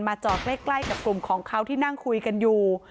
จอดใกล้กับกลุ่มของเขาที่นั่งคุยกันอยู่